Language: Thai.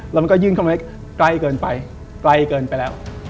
แล้วมันก็ยื่นเข้ามาไว้ใกล้เกินไปไกลเกินไปแล้ว